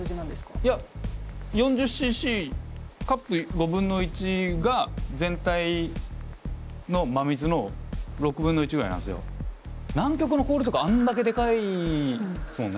いや４０ｃｃカップ５分の１が全体の真水の６分の１ぐらいなんすよ。南極の氷とかあんだけでかいっすもんね。